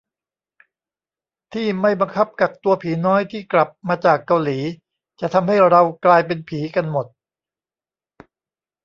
ที่ไม่บังคับกักตัวผีน้อยที่กลับมาจากเกาหลี จะทำให้เรากลายเป็นผีกันหมด